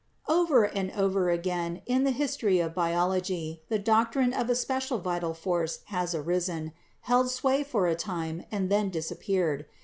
"Over and over again in the history of Biology the doctrine of a special vital force has arisen, held sway for a time, and then disappeared.